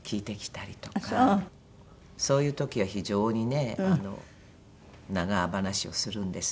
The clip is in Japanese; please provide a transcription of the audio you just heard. そういう時は非常にね長話をするんですが。